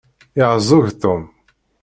Yeεεuẓẓeg Tom.